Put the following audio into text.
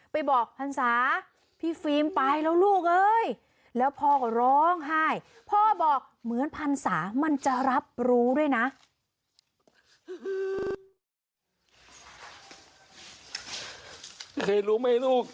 ไปบอกพันษาพี่ฟิล์มไปแล้วลูก